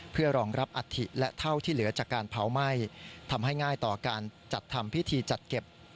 เพื่อรองรับอัฐิและเท่าที่เหลือจากการเผาไหม้ทำให้ง่ายต่อการจัดทำพิธีจัดเก็บ